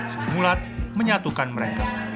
seri mulat menyatukan mereka